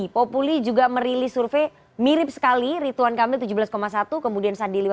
populi juga merilis survei mirip sekali ridwan kamil tujuh belas satu kemudian sandi